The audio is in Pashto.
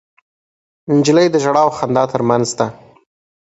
نجلۍ د ژړا او خندا تر منځ ده.